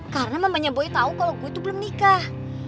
karena mamanya boy tau kalo gue tuh belum nikah